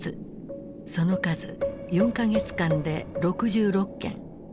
その数４か月間で６６件。